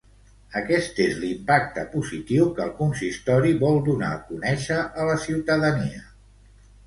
Aquest és l'impacte positiu que el consistori vol donar a conèixer a la ciutadania.